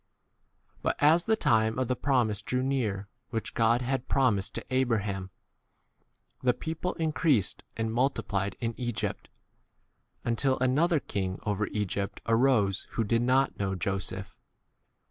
But as the time of the promise drew near which God had promised w to Abraham, the people increased and multi 18 plied in Egypt, until another king over Egypt x arose who did not 19 know Joseph.